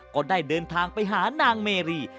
ก็ได้เดินทางไปหานางเมรี